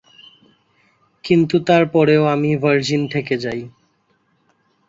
কিন্তু তারপরেও আমি ভার্জিন থেকে যাই।